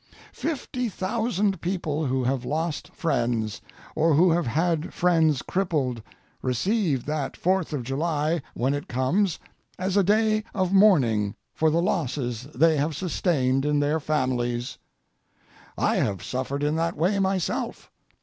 Fifty thousand people who have lost friends, or who have had friends crippled, receive that Fourth of July, when it comes, as a day of mourning for the losses they have sustained in their families. I have suffered in that way myself.